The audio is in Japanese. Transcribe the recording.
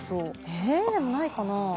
えでもないかな。